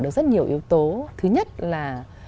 được rất nhiều yếu tố thứ nhất là